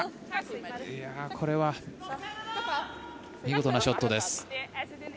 これは見事なショットです。